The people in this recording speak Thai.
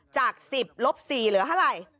จาก๑๐ลบ๔เหลือเท่าไหร่